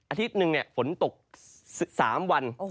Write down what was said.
อาทิตย์นึงเนี่ยฝนตก๓วัน